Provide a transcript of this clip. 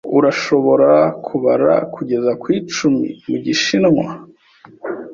Urashobora kubara kugeza ku icumi mu gishinwa?